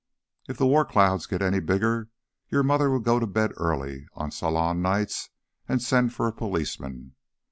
If the war cloud gets any bigger, your mother will go to bed early on salon nights and send for a policeman.